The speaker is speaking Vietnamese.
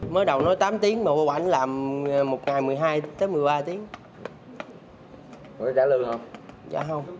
mới đầu nói tám tiếng mà bọn anh làm một ngày một mươi hai một mươi ba tiếng